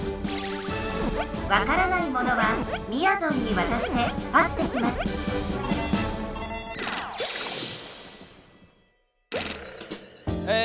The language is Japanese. わからないものはみやぞんにわたしてパスできますえ